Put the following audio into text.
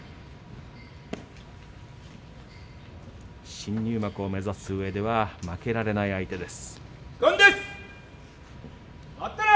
新入幕を目指すうえでは負けられない相手です。